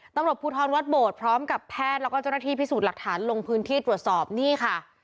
ตำรวจภูทรวัดโบดพร้อมกับแพทย์แล้วก็เจ้าหน้าที่พิสูจน์หลักฐานลงพื้นที่ตรวจสอบนี่ค่ะ